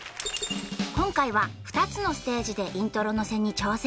今回は２つのステージでイントロ乗せに挑戦